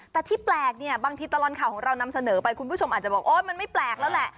แต่ที่แปลกเนี่ยบางทีตลอดข่าวของเรานำเสนอไปคุณผู้ชมอาจจะบอกโอ๊ยมันไม่แปลกแล้วแหละ